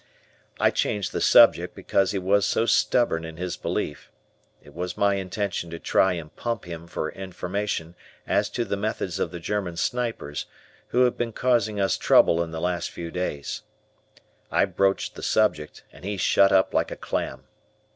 I changed the subject because he was so stubborn in his belief. It was my intention to try and pump him for information as to the methods of the German snipers, who had been causing us trouble in the last few days. I broached the subject and he shut up like a clam.